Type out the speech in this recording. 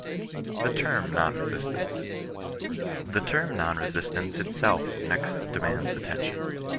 THE TERM NOIT RESISTANCE. The term non resistance itself next demands attention.